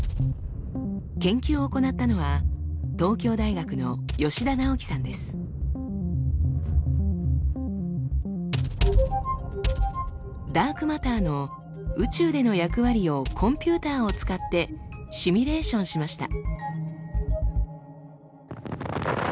研究を行ったのはダークマターの宇宙での役割をコンピューターを使ってシミュレーションしました。